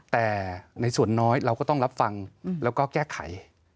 แต่ในส่วนน้อยเราก็ต้องรับฟังแล้วก็แก้ไข